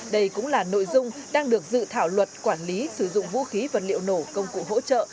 đây cũng là nội dung đang được dự thảo luật quản lý sử dụng vũ khí vật liệu nổ công cụ hỗ trợ